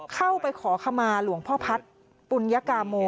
เข้าไปขอขมาหลวงพ่อพัฒน์ปุญกาโม